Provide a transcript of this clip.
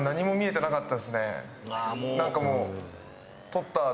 何かもう。